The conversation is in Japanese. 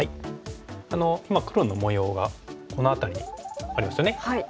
今黒の模様がこの辺りにありますよね。